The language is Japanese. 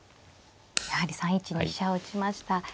やはり３一に飛車を打ちました。